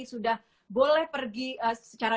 sudah boleh pergi secara